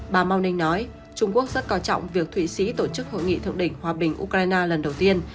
bà mao ning nói trung quốc rất quan trọng việc thụy sĩ tổ chức hội nghị thượng đỉnh hòa bình ukraine lần đầu tiên